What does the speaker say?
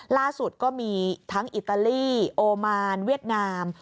ล่าสุดก็มีทั้งอิตาลีโอมานเวียดนาม